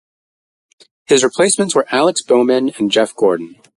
His replacements were Alex Bowman and Jeff Gordon.